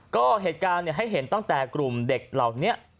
ก็เหตุการณ์ให้เห็นตั้งแต่กลุ่มเด็กเหล่านี้